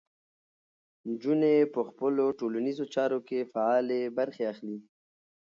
نجونې په خپلو ټولنیزو چارو کې فعالې برخې اخلي.